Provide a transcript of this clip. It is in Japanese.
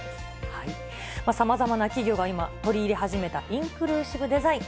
さまざまな企業が今、取り入れ始めたインクルーシブデザイン。